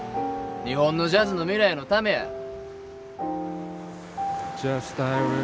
日本のジャズの未来のためや。